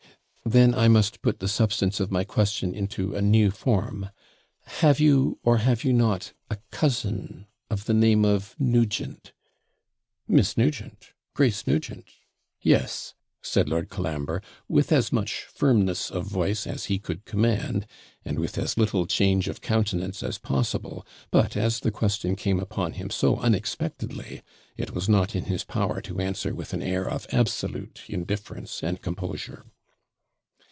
'Then I must put the substance of my question into a new form. Have you, or have you not, a cousin of the name of Nugent?' 'Miss Nugent! Grace Nugent! Yes,' said Lord Colambre, with as much firmness of voice as he could command, and with as little change of countenance as possible; but, as the question came upon him so unexpectedly, it was not in his power to answer with an air of absolute indifference and composure.